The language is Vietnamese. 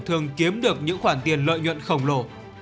thường kiếm được những khoản tiền lợi nhuận khổng lồ